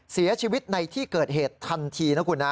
เสียชีวิตในที่เกิดเหตุทันที